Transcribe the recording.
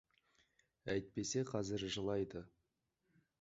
Әйтпесе қазір жылайды.